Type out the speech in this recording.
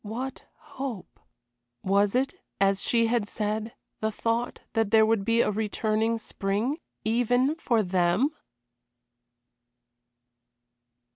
What hope? Was it, as she had said, the thought that there would be a returning spring even for them?